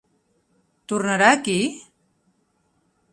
Tornarà aquí?